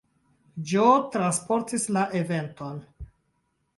Joe transporti la eventon.